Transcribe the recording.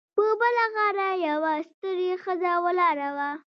په بله غاړه یوه ستړې ښځه ولاړه وه